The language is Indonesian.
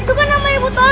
itu kan nama ibu tol